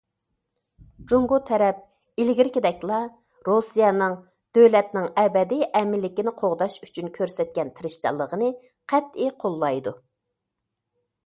جۇڭگو تەرەپ ئىلگىرىكىدەكلا رۇسىيەنىڭ دۆلەتنىڭ ئەبەدىي ئەمىنلىكىنى قوغداش ئۈچۈن كۆرسەتكەن تىرىشچانلىقىنى قەتئىي قوللايدۇ.